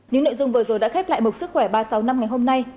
những nội dung vừa rồi đã khép lại mộc sức khỏe ba trăm sáu mươi năm ngày hôm nay